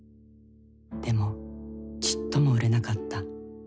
でもちっとも売れなかった。